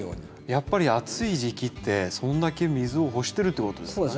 やっぱり暑い時期ってそんだけ水を欲してるってことですかね。